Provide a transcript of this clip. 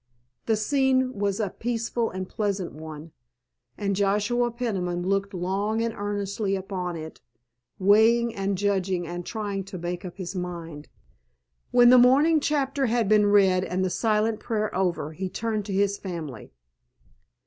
The scene was a peaceful and pleasant one, and Joshua Peniman looked long and earnestly upon it, weighing and judging and trying to make up his mind. When the morning chapter had been read and the silent prayer over, he turned to his family.